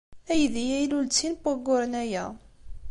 Aydi-a ilul-d sin n wayyuren aya.